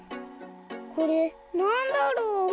これなんだろう？